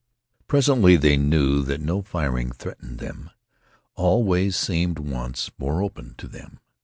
Presently they knew that no firing threatened them. All ways seemed once more opened to them.